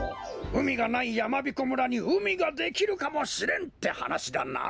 うみがないやまびこ村にうみができるかもしれんってはなしだな？